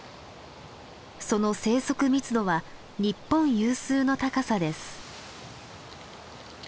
その生息密度は日本有数の高さです。